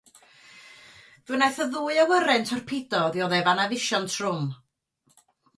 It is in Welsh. Fe wnaeth y ddwy awyren torpido ddioddef anafusion trwm.